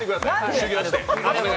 修業して。